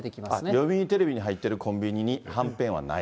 読売テレビに入ってるコンビニにはんぺんはない。